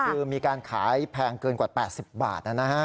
คือมีการขายแพงเกินกว่า๘๐บาทนะฮะ